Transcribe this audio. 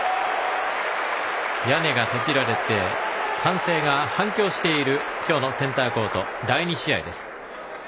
屋根が閉じられて歓声が反響している今日のセンターコート第２試合です。